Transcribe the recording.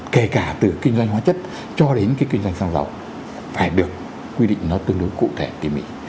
kể cả từ kinh doanh hóa chất cho đến cái kinh doanh xăng dầu phải được quy định nó tương đối cụ thể tỉ mỉ